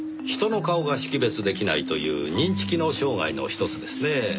人の顔が識別出来ないという認知機能障害の一つですねぇ。